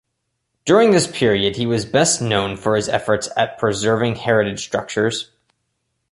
During this period he was best known for his efforts at preserving heritage structures.